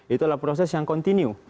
itu adalah proses yang kontinu